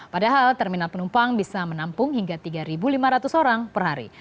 padahal terminal penumpang bisa menampung hingga tiga lima ratus orang per hari